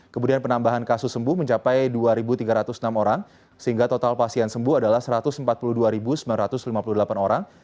kemudian penambahan kasus sembuh mencapai dua tiga ratus enam orang sehingga total pasien sembuh adalah satu ratus empat puluh dua sembilan ratus lima puluh delapan orang